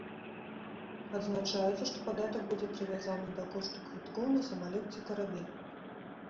Адзначаецца, што падатак будзе прывязаны да кошту квіткоў на самалёт ці карабель.